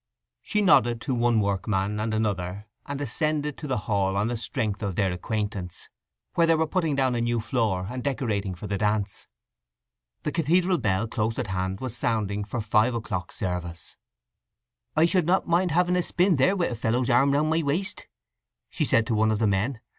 She nodded to one workman and another, and ascended to the hall on the strength of their acquaintance, where they were putting down a new floor and decorating for the dance. The cathedral bell close at hand was sounding for five o'clock service. "I should not mind having a spin there with a fellow's arm round my waist," she said to one of the men.